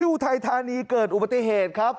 อุทัยธานีเกิดอุบัติเหตุครับ